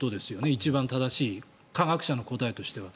一番正しい科学者の答えとしては。